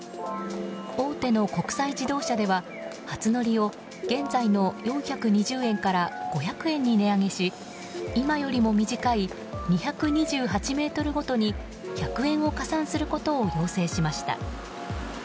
大手の国際自動車では初乗りを現在の４２０円から５００円に値上げし今よりも短い２２８ｍごとに１００円を加算することを要請しました。